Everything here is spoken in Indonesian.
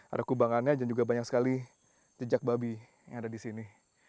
ada kubangannya dan juga banyak sekali jejak babi yang ada di sini